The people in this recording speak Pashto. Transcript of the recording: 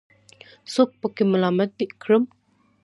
څوک پکې ملامت کړم.